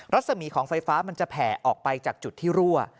รัศมีของไฟฟ้ามันจะแผ่ออกไปจากจุดที่รั่ว